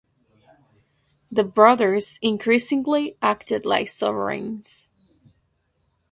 The brothers increasingly acted like sovereigns.